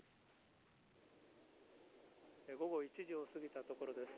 午後１時を過ぎたところです。